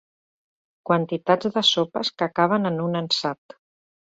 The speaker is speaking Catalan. Quantitats de sopes que caben en un ansat.